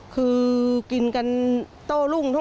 คือกินกันโต้รุ่งทุกวัน